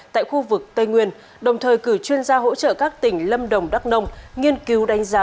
tại khu vực tây nguyên đồng thời cử chuyên gia hỗ trợ các tỉnh lâm đồng đắk nông nghiên cứu đánh giá